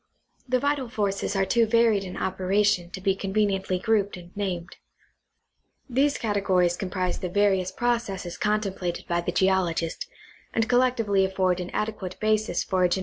The vital forces are too varied in operation to be conveniently grouped and named. These categories comprise the various processes contemplated by the geologist, and collectively afford an adequate basis for a genetic classification of geologic science.